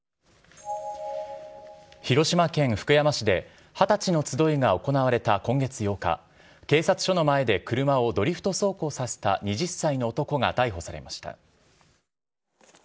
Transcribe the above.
広島県福山市で、二十歳の集いが行われた今月８日、警察署の前で車をドリフト走行させた２０歳の男が逮捕されました。